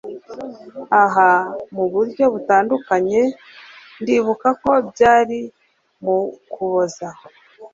ah, mu buryo butandukanye ndibuka ko byari mu kuboza